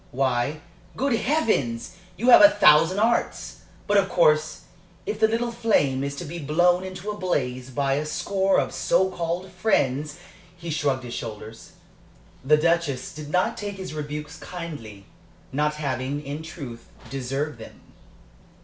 Why, good Heavens! you have a thousand arts! But, of course, if the little flame is to be blown into a blaze by a score of so called friends " He shrugged his shoulders. The Duchess did not take his rebukes kindly, not having, in truth, deserved them.